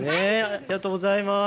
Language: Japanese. ありがとうございます。